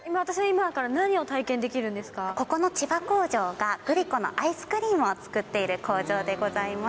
今、ここの千葉工場が、グリコのアイスクリームを作っている工場でございます。